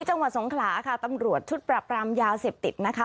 จังหวัดสงขลาค่ะตำรวจชุดปรับรามยาเสพติดนะคะ